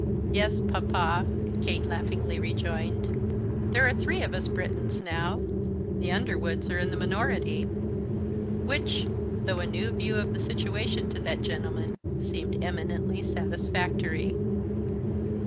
"Yes, papa," Kate laughingly rejoined, "there are three of us Brittons now; the Underwoods are in the minority." Which, though a new view of the situation to that gentleman, seemed eminently satisfactory.